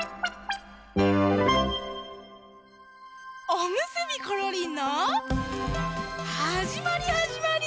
「おむすびころりん」のはじまりはじまり。